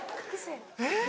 えっ？